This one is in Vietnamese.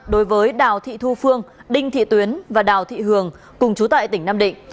đối với đào thị thu phương đinh thị tuyến và đào thị hường cùng chú tại tỉnh nam định